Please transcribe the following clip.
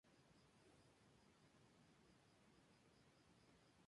El logotipo del zoológico es un jaguar en su representación prehispánica.